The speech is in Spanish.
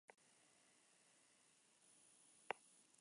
Christian se describió a sí mismo como un nacionalista blanco.